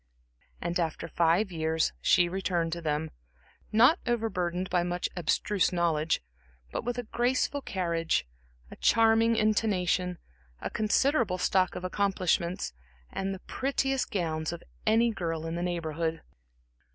And after five years she returned to them, not over burdened by much abstruse knowledge, but with a graceful carriage, a charming intonation, a considerable stock of accomplishments, and the prettiest gowns of any girl in the Neighborhood.